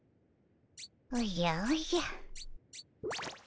おじゃおじゃ。